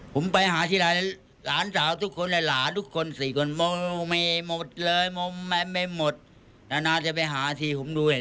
ผมไปหาที่หลานสาวทุกคนหลานทุกคนสี่คนไม่หมดเลยไม่หมด